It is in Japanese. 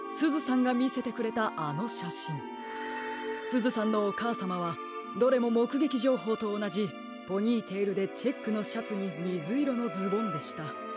すずさんのおかあさまはどれももくげきじょうほうとおなじポニーテールでチェックのシャツにみずいろのズボンでした。